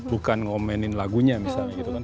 bukan ngomenin lagunya misalnya gitu kan